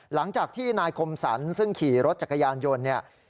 หลังจากที่นายคมสรรซึ่งขี่รถจักรยานยนต์เนี่ย